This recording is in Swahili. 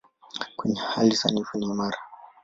Kwenye hali sanifu ni imara.